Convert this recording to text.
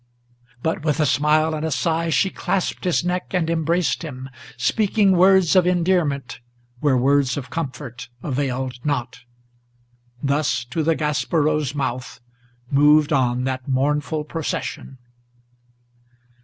But with a smile and a sigh, she clasped his neck and embraced him, Speaking words of endearment where words of comfort availed not. Thus to the Gaspereau's mouth moved on that mournful procession.